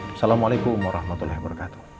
assalamualaikum warahmatullahi wabarakatuh